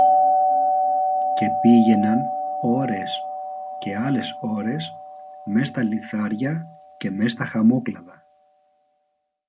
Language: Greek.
Και πήγαιναν ώρες και άλλες ώρες μες στα λιθάρια και μες τα χαμόκλαδα.